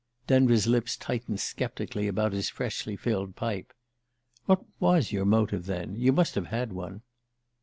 Denver's lips tightened sceptically about his freshly filled pipe. "What was your motive, then? You must have had one."